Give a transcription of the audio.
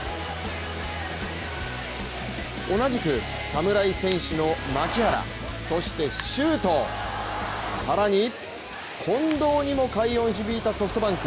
同じく侍戦士の牧原、そして周東、更に近藤にも快音響いたソフトバンク。